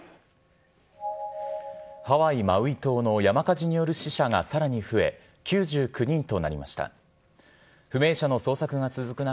ハワイ・マウイ島の山火事による死者がさらに増え、９９人となりました。